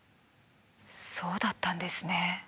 そうだったんですね。